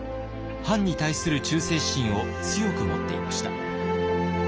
藩に対する忠誠心を強く持っていました。